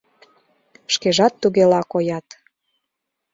Шкежат тугела коят.